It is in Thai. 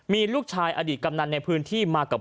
มีลูกชายอดีตกำนันในพื้นที่มากับ